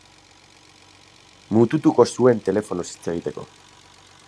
Mututuko zuen telefonoz hitz egiteko.